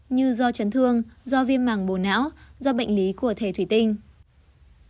như do chấn thương do viêm mảng bồ não do bệnh lý của thể thủy tinh